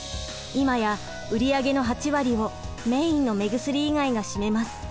今や売り上げの８割をメインの目薬以外が占めます。